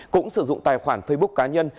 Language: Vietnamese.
cũng sử dụng tài khoản facebook cá nhân